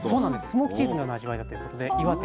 スモークチーズのような味わいだということで岩手